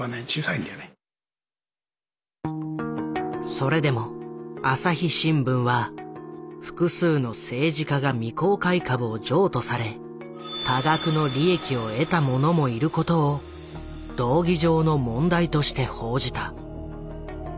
それでも朝日新聞は複数の政治家が未公開株を譲渡され多額の利益を得た者もいることを道義上の問題として報じた。